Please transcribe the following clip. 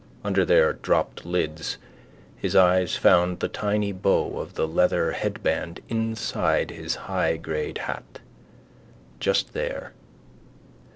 Under their dropped lids his eyes found the tiny bow of the leather headband inside his high grade ha. Just there.